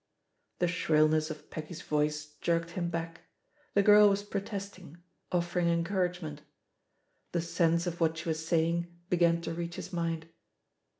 ... The shrillness of Peggy's voice jerked him back — ^the girl was protesting, offering encour agement. The sense of what she was saying began to reach his mind.